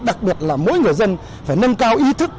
đặc biệt là mỗi người dân phải nâng cao ý thức